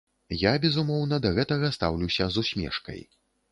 Я, безумоўна, да гэтага стаўлюся з усмешкай.